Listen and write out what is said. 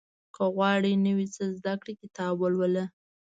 • که غواړې نوی څه زده کړې، کتاب ولوله.